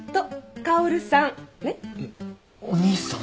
えっお兄さん？